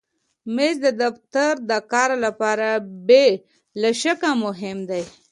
مېز د دفتر د کار لپاره بې له شکه مهم دی.